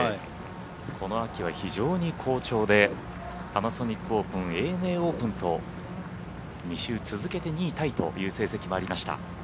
この秋は非常に好調でパナソニックオープンＡＮＡオープンと２週続けて２位タイという成績もありました。